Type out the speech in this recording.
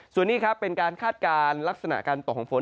ส่วนนี้ครับเป็นการคาดการณ์ลักษณะการตกของฝน